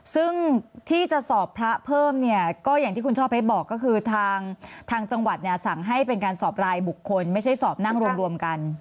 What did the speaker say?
ซึ่งที่จะสอบพระเพิ่มเนี่ยก็อย่างที่คุณช่อเพชรบอกก็คือทางจังหวัดเนี่ยสั่งให้เป็นการสอบรายบุคคลไม่ใช่สอบนั่งรวมกัน